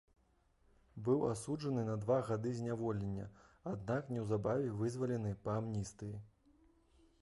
Быў асуджаны на два гады зняволення, аднак неўзабаве вызвалены па амністыі.